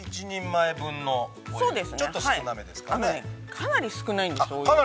かなり少ないんです、お湯。